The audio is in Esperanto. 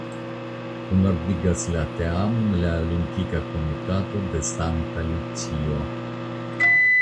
Kunordigas la teamon la Olimpika Komitato de Sankta Lucio.